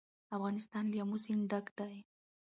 افغانستان له آمو سیند ډک دی.